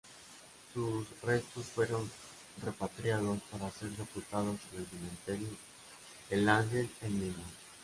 Sus restos fueron repatriados para ser sepultados en el cementerio El Ángel, en Lima.